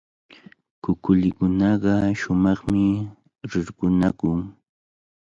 Kukulikunaqa shumaqmi rirqunakun.